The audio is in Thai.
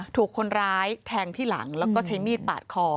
ถูกคนร้ายแทงที่หลังแล้วก็ใช้มีดปาดคอ